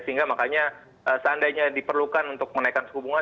sehingga makanya seandainya diperlukan untuk menaikkan suku bunga